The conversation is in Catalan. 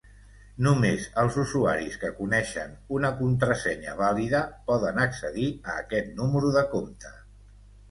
Només els usuaris que coneixen una contrasenya vàlida poden accedir a aquest número de compte.